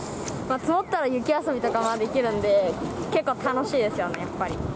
積もったら雪遊びとかもできるんで、結構楽しいですよね、やっぱり。